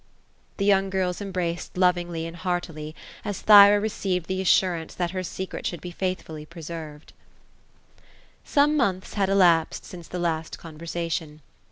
The young girls embraced lovingly and heartily, as Thyra received the assurance that her secret should be faithfully preserved. Some months had elapsed since the last conversation.